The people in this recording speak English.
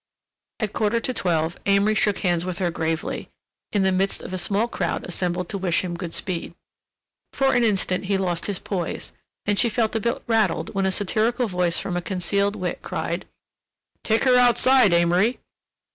At quarter to twelve Amory shook hands with her gravely, in the midst of a small crowd assembled to wish him good speed. For an instant he lost his poise, and she felt a bit rattled when a satirical voice from a concealed wit cried: "Take her outside, Amory!"